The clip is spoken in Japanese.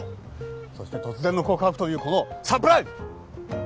そして突然の告白というこのサプライズ！